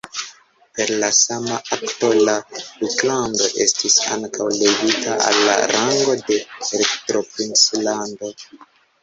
Per la sama akto la duklando estis ankaŭ levita al la rango de elektoprinclando.